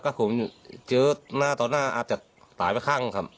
ก็ผมเจอหน้าต่อหน้าอาจจะตายไปข้างครับ